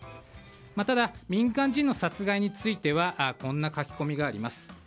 ただ、民間人の殺害についてはこんな書き込みがあります。